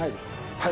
はい。